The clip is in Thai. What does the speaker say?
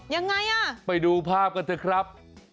ยังไงอ่ะไปดูภาพกันเถอะครับ